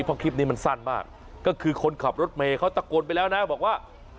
เพราะคลิปนี้มันสั้นมากก็คือคนขับรถเมย์เขาตะโกนไปแล้วนะบอกว่า